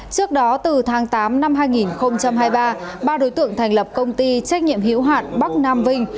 trước đó từ tháng tám năm hai nghìn hai mươi ba ba đối tượng thành lập công ty trách nhiệm hiếu hạn bắc nam vinh